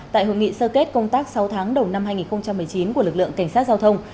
tại hội nghị sơ kết công tác sáu tháng đầu năm hai nghìn một mươi chín của lực lượng cảnh sát giao thông